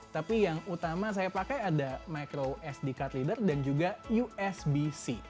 tapi yang utama saya pakai ada micro sd card reader dan juga usb c